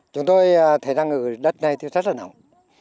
chúng tôi thấy rằng đất này thì rất là nóng